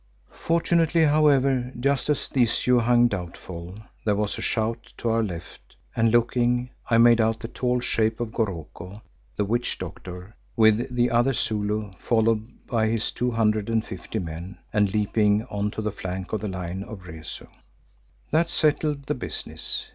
Fortunately, however, just as the issue hung doubtful, there was a shout to our left and looking, I made out the tall shape of Goroko, the witch doctor, with the other Zulu, followed by his two hundred and fifty men, and leaping on to the flank of the line of Rezu. That settled the business.